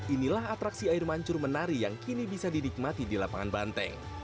inilah atraksi air mancur menari yang kini bisa didikmati di lapangan banteng